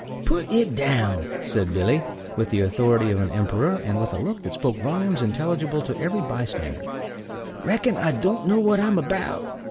"Put it down!" said Billy, with the authority of an emperor, and with a look that spoke volumes intelligible to every by stander. "Reckon I don't know what I'm about?"